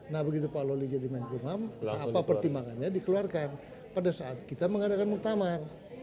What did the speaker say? nah begitu pak loli jadi menkumham apa pertimbangannya dikeluarkan pada saat kita mengadakan muktamar